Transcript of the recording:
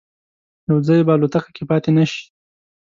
یو ځای به الوتکه کې پاتې نه شي.